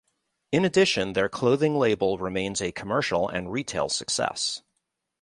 In addition their clothing label remains a commercial and retail success.